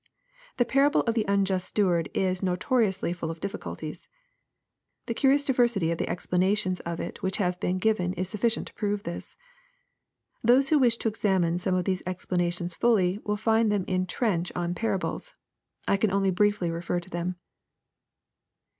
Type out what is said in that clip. ] The parable of the unjust steward is notoriously full of difficulties. The curious diversity of the ex planations of it which have been given iJ sufficient to prove this. Those who wish to examine some of these explanations fully, will find them in Trench on Parables. I can only briefly refer to them.